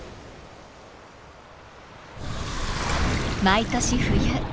毎年冬